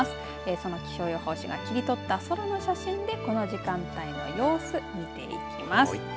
その気象予報士が切り取った空の写真でこの時間帯の様子見ていきます。